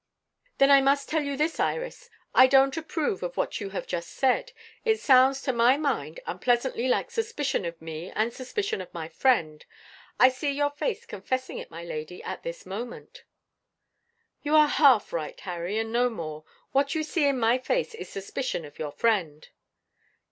"Then I must tell you this, Iris; I don't approve of what you have just said. It sounds, to my mind, unpleasantly like suspicion of me and suspicion of my friend. I see your face confessing it, my lady, at this moment." "You are half right, Harry, and no more. What you see in my face is suspicion of your friend."